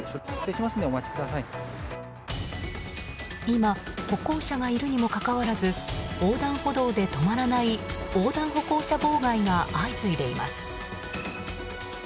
今歩行者がいるにもかかわらず横断歩道で止まらない横断歩行者妨害が相次いでいます。